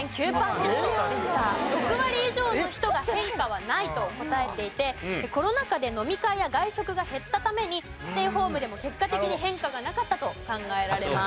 ６割以上の人が変化はないと答えていてコロナ禍で飲み会や外食が減ったためにステイホームでも結果的に変化がなかったと考えられます。